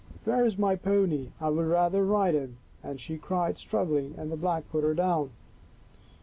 " Where is my pony. I would rather ride him," she cried, struggling, and the Black put her down.